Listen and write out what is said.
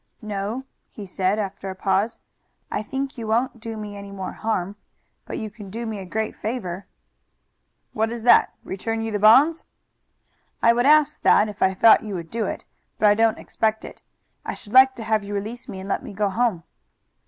"No," he said, after a pause. "I think you won't do me any more harm. But you can do me a great favor." "What is that return you the bonds?" "I would ask that if I thought you would do it, but I don't expect it. I should like to have you release me and let me go home."